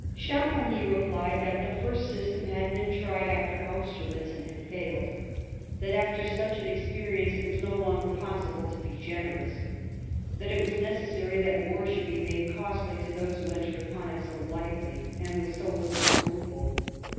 * Champagny replied that the first system had been tried after Austerlitz, and had failed ; that, after such an experi ence, it was no longer possible to be generous ; that it was necessary that war should be made costly to those who entered upon it so lightly, and with so little scruple.